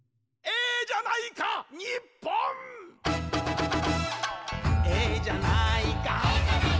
「ええじゃないかえじゃないか」